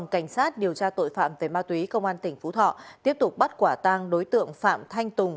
cảnh sát điều tra tội phạm về ma túy công an tỉnh phú thọ tiếp tục bắt quả tang đối tượng phạm thanh tùng